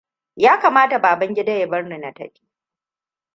Ya kamata Babangida ya barni na tafi.